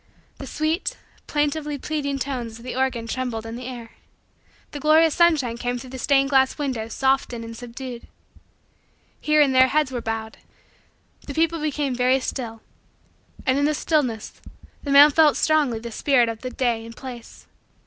The sweet, plaintively pleading, tones of the organ trembled in the air. The glorious sunshine came through the stained glass windows softened and subdued. Here and there heads were bowed. The people became very still. And, in the stillness, the man felt strongly the spirit of the day and place.